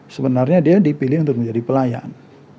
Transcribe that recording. sebenarnya dia dipilih untuk menjadi pelayan